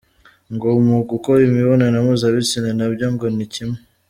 Ngo mu gukora imibonano mpuzabitsina nabyo ngo ni kimwe.